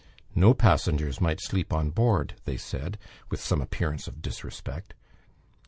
"No passengers might sleep on board," they said, with some appearance of disrespect.